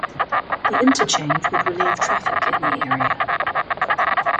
The interchange would relieve traffic in the area.